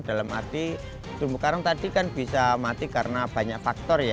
dalam arti terumbu karang tadi kan bisa mati karena banyak faktor ya